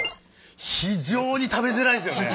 非常に食べづらいですよね。